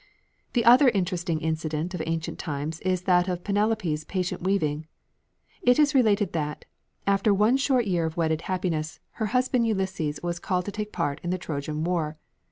The other interesting incident of ancient times is that of Penelope's patient weaving. It is related that, after one short year of wedded happiness, her husband Ulysses was called to take part in the Trojan War.